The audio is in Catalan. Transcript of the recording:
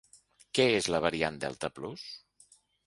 Què és la variant delta plus?